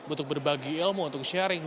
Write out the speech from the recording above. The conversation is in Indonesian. untuk berbagi ilmu untuk sharing